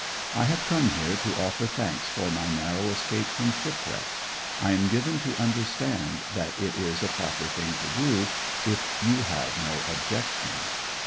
'I have come here to offer thanks for my narrow escape from shipwreck. I am given to understand that it is a proper thing to do, if you have no objection?